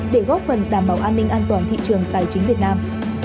để góp phần đảm bảo an ninh an toàn thị trường tài chính việt nam